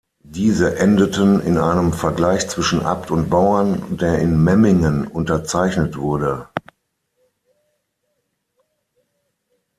Diese endeten in einem Vergleich zwischen Abt und Bauern, der in Memmingen unterzeichnet wurde.